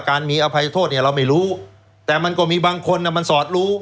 การมีอภัยโทษเนี่ยเราไม่รู้แต่มันก็มีบางคนมันสอดรู้